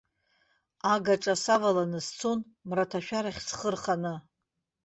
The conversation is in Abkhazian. Агаҿа саваланы сцон, мраҭашәарахь схы рханы.